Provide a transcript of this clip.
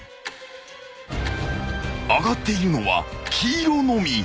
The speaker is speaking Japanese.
［上がっているのは黄色のみ］